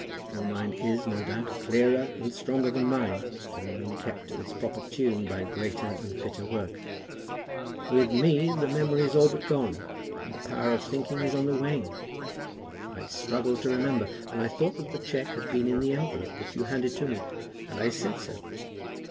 Your mind is, no doubt, clearer and stronger than mine, having been kept to its proper tune by greater and fitter work. With me, memory is all but gone, and the power of thinking is on the wane! I struggled to remember, and I thought that the cheque had been in the envelope which you handed to me, and I said so.